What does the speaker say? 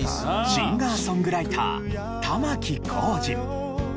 シンガーソングライター玉置浩二。